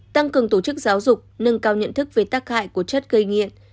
tăng cường tổ chức giáo dục nâng cao nhận thức về tác hại của chất gây nghiện